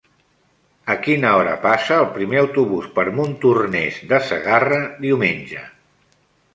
A quina hora passa el primer autobús per Montornès de Segarra diumenge?